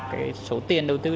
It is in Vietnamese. cái số tiền đầu tư